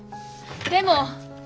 でも！